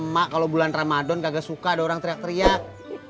mak kalau bulan ramadan kagak suka ada orang teriak teriak